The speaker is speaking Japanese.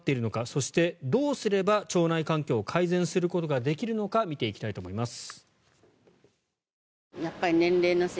そして、どうすれば腸内環境を改善することができるのか見ていきたいと思います。